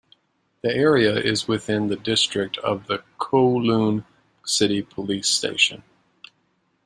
The area is within the district of the Kowloon City police station.